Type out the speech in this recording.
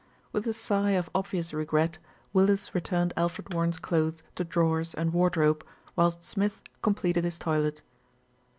With a sigh of obvious regret, Willis returned Alfred Warren's clothes to drawers and wardrobe, whilst Smith completed his toilet.